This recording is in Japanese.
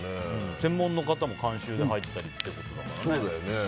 専門の方も監修で入ったりしてるんだからね。